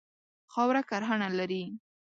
خاوره کرهڼه لري.